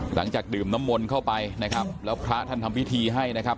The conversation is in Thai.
หลังจากดื่มน้ำมนต์เข้าไปนะครับแล้วพระท่านทำพิธีให้นะครับ